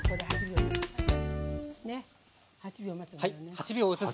８秒待つの。